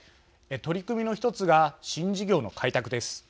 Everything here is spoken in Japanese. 取り組みの１つが新事業の開拓です。